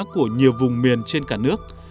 của nhiều vùng miền trên cả nước